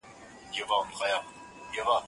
زه هره ورځ د تکړښت لپاره ځم!.